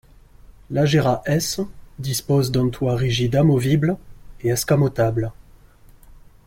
L'Agera S dispose d'un toit rigide amovible et escamotable.